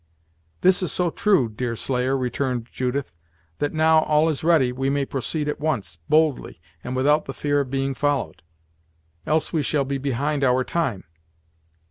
"This is so true, Deerslayer," returned Judith, "that now all is ready, we may proceed at once, boldly, and without the fear of being followed; else we shall be behind our time."